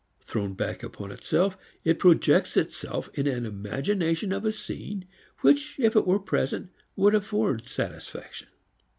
Thrown back upon itself, it projects itself in an imagination of a scene which if it were present would afford satisfaction.